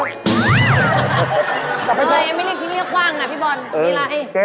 ไม่เรียกที่นี่ก็คว่างนะพี่บอลมีร้านไอ้